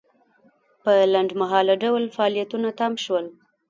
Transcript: په لنډمهاله ډول فعالیتونه تم شول.